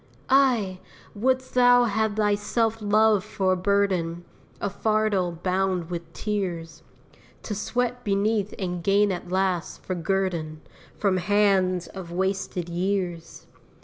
Ay! wouldst thou have thy self love for a burden, A fardel bound with tears, To sweat beneath and gain at last, for guerdon, From hands of wasted years?